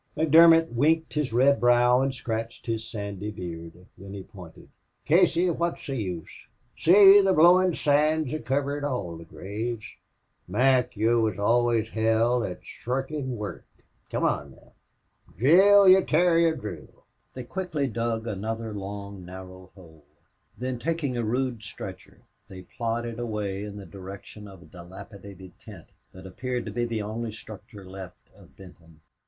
McDermott wrinkled his red brow and scratched his sandy beard. Then he pointed. "Casey, wot's the use? See, the blowin' sand's kivered all the graves." "Mac, yez wor always hell at shirkin' worrk. Come on, now, Drill, ye terrier, drill!" They quickly dug another long, narrow hole. Then, taking a rude stretcher, they plodded away in the direction of a dilapidated tent that appeared to be the only structure left of Benton.